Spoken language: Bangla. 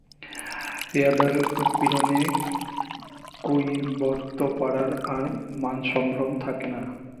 পেয়াদার উৎপীড়নে কৈবর্তপাড়ার আর মানসম্ভ্রম থাকে না।